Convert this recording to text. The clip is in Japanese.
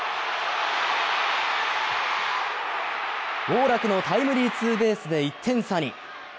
ウォーラクのタイムリーツーベースで１点差に。